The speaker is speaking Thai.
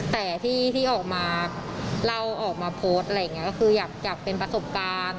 แต่ที่ออกมาเราออกมาโพสต์อยากเป็นประสบการณ์